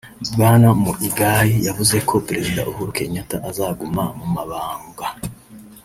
Bwana Muigai yavuze ko Prezida Uhuru Kenyatta azoguma mu mabanga